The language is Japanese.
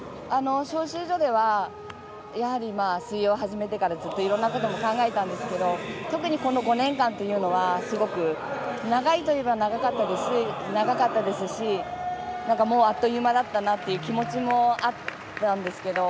招集所では水泳を始めてからずっといろんなことも考えたんですけど特にこの５年間というのはすごく、長いといえば長かったですしあっという間だったなという気持ちもあったんですけど。